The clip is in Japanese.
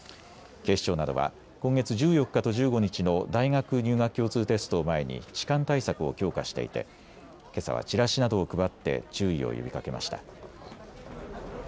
警視庁などは今月１４日と１５日の大学入学共通テストを前に痴漢対策を強化していてけさはチラシなどを配って注意を呼びかけました。